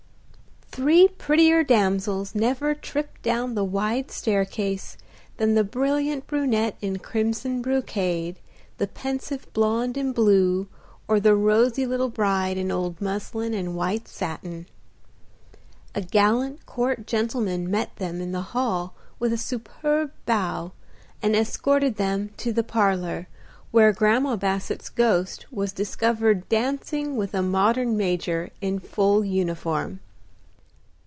Three prettier damsels never tripped down the wide staircase than the brilliant brunette in crimson brocade, the pensive blonde in blue, or the rosy little bride in old muslin and white satin. A gallant court gentleman met them in the hall with a superb bow, and escorted them to the parlor, where Grandma Basset's ghost was discovered dancing with a modern major in full uniform.